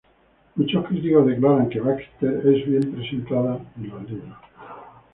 Muchos críticos declaran que Baxter es bien presentada en los libros.